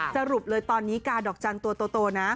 สรุปเลยตอนนี้กาดอกจันทร์ตัวโตนะ